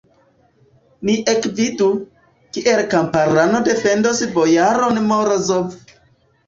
Ni ekvidu, kiel kamparano defendos bojaron Morozov!